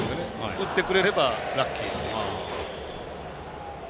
打ってくれればラッキーと。